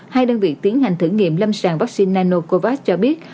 hai đơn vị tiến hành thử nghiệm lâm sàng vaccine nanocovax cho biết